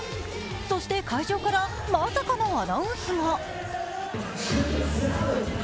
そして、会場からまさかのアナウンスが。